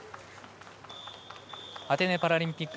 アテネパラリンピック